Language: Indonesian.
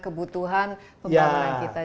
kebutuhan pembangunan kita